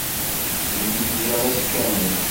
Din i telliḍ ass kamel?